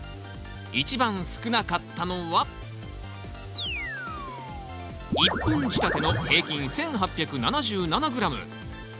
一番少なかったのは１本仕立ての平均１，８７７ｇ。